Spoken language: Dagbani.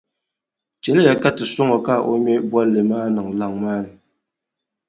Chɛliya ka ti sɔŋ o ka o ŋme bolli maa niŋ laŋ maa ni.